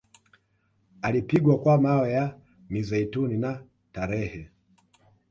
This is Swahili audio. Alipigwa kwa mawe ya mizeituni na tarehe